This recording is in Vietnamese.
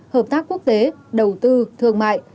hợp tác quốc tế đầu tư thương mại